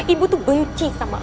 ibu itu benci sama aku